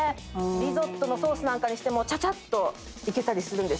リゾットのソースなんかにしてもちゃちゃっといけたりする。